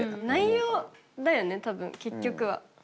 内容だよね多分結局は。